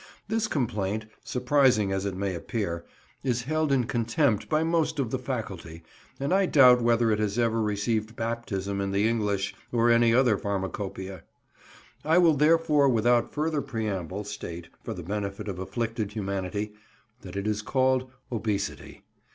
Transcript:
This complaint, surprising as it may appear, is held in contempt by most of the faculty, and I doubt whether it has ever received baptism in the English or any other pharmacopoeia. I will therefore without further preamble state, for the benefit of afflicted humanity, that it is called "obesity."